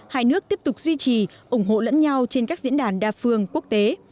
hai nước tiếp tục duy trì ủng hộ lẫn nhau trên các diễn đàn đa phương quốc tế